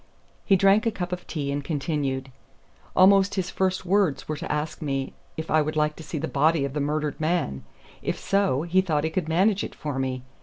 He drank a cup of tea and continued: "Almost his first words were to ask me if I would like to see the body of the murdered man if so, he thought he could manage it for me.